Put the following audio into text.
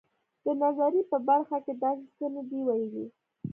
د نظریې په برخه کې داسې څه نه دي ویلي.